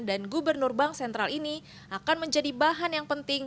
dan gubernur bank sentral ini akan menjadi bahan yang penting